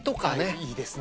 いいですね。